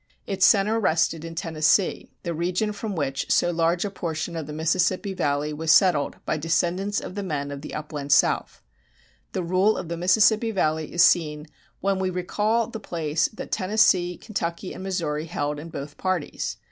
Its center rested in Tennessee, the region from which so large a portion of the Mississippi Valley was settled by descendants of the men of the Upland South. The rule of the Mississippi Valley is seen when we recall the place that Tennessee, Kentucky, and Missouri held in both parties.